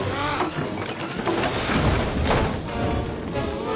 うわ！